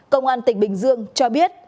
công an tỉnh bình dương cho biết